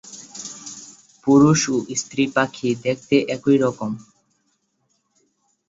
পুরুষ ও স্ত্রী পাখি দেখতে একই রকম।